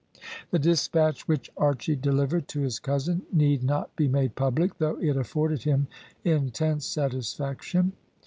The despatch which Archy delivered to his cousin need not be made public, though it afforded him intense satisfaction.